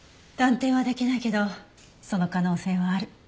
断定はできないけどその可能性はある。